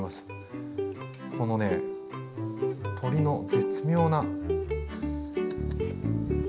このね鶏の絶妙な。